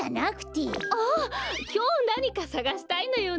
あっきょうなにかさがしたいのよね。